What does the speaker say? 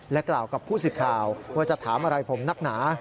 กล่าวกับผู้สื่อข่าวว่าจะถามอะไรผมนักหนา